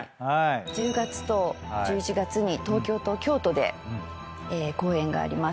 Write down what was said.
１０月と１１月に東京と京都で公演があります。